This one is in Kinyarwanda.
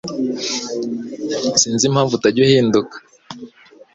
sinzi impamvu utajya uhinduka